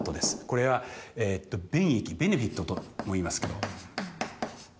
これは便益ベネフィットとも言いますけど。